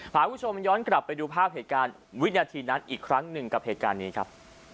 พาคุณผู้ชมย้อนกลับไปดูภาพเหตุการณ์วินาทีนั้นอีกครั้งหนึ่งกับเหตุการณ์นี้ครับ